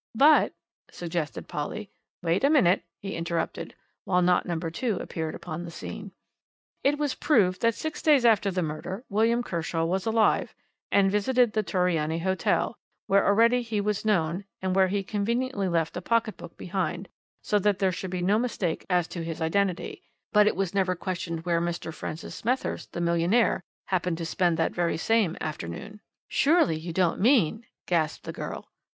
"But " suggested Polly. "Wait a minute," he interrupted, while knot number two appeared upon the scene, "it was proved that six days after the murder, William Kershaw was alive, and visited the Torriani Hotel, where already he was known, and where he conveniently left a pocket book behind, so that there should be no mistake as to his identity; but it was never questioned where Mr. Francis Smethurst, the millionaire, happened to spend that very same afternoon." "Surely, you don't mean?" gasped the girl.